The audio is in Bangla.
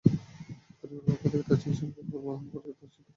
পরিবারের পক্ষ থেকে তার চিকিৎসার ব্যয়ভার বহন করা দুঃসাধ্য হয়ে পড়েছে।